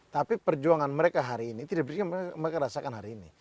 tapi perjuangan mereka hari ini tidak bisa mereka rasakan hari ini